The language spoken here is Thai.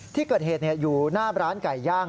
ที่เกิดเหตุอยู่หน้าร้านไก่ย่าง